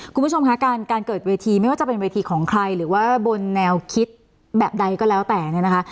คุณผู้ชมคะการเกิดเวทีไม่ว่าจะเป็นเวทีของใครหรือว่าบนแนวคิดแบบใดก็แล้วแต่เนี่ยนะคะ